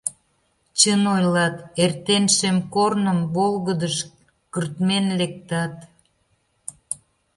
Чын ойлат: эртен шем корным, волгыдыш, кыртмен, лектат.